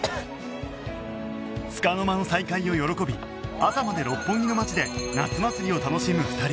つかの間の再会を喜び朝まで六本木の街で夏祭りを楽しむ２人